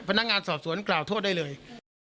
พนักงานสอบสวนกล่าวโทษได้เลย